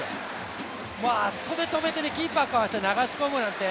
あそこで止めてキーパーかわして流し込むなんて